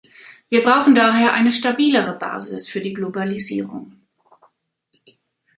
Wir brauchen daher eine stabilere Basis für die Globalisierung.